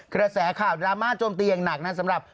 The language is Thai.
กระแสข่าวดราม่าโจมตีอย่างหนักนะสำหรับ